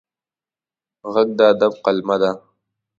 غږ د ادب قلمه ده